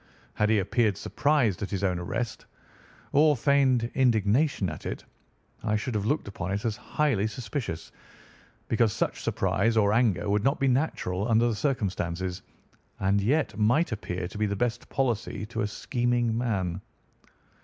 Had he appeared surprised at his own arrest, or feigned indignation at it, I should have looked upon it as highly suspicious, because such surprise or anger would not be natural under the circumstances, and yet might appear to be the best policy to a scheming man.